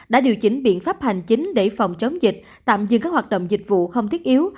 đã điều chỉnh biện pháp hành chính để phòng chống dịch tạm dừng các hoạt động dịch vụ không thiết yếu